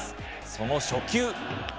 その初球。